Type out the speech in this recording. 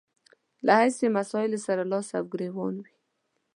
له هسې مسايلو سره لاس او ګرېوان وي.